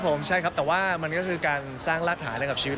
ครับผมใช่ครับแต่ว่ามันก็คือการสร้างรักฐานักของชีวิต